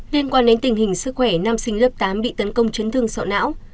liên quan đến tình hình sức khỏe nam sinh lớp tám bị tấn công chấn thương sọ não